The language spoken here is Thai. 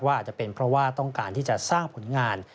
อาจจะเป็นเพราะว่าต้องการที่จะสร้างผลงาน